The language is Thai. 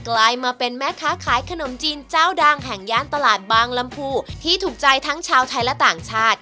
กลายมาเป็นแม่ค้าขายขนมจีนเจ้าดังแห่งย่านตลาดบางลำพูที่ถูกใจทั้งชาวไทยและต่างชาติ